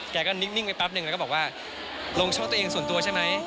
แกก็นิ่งไปแป๊บนึงแล้วก็บอกว่าลงโทษตัวเองส่วนตัวใช่ไหม